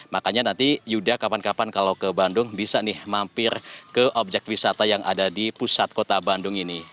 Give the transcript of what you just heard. makanya nanti yuda kapan kapan kalau ke bandung bisa nih mampir ke objek wisata yang ada di pusat kota bandung ini